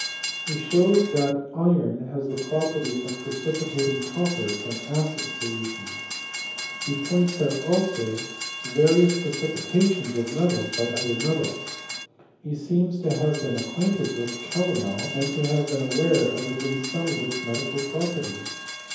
He showed that iron has the property of precipitating copper from acid so lutions : he pointed out also various precipitations of metals by other metals. He seems to have been ac quainted with calomel, and to have been aware of at least some of its medical properties.